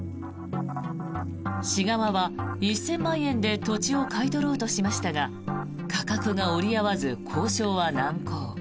市側は１０００万円で土地を買い取ろうとしましたが価格が折り合わず交渉は難航。